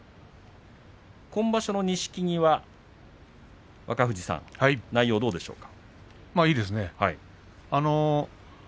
今場所の錦木は若藤さん内容はどうでしょうか。